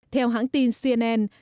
theo hãng tin cnn